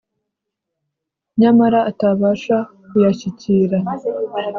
nyamara atabasha kuyashyikira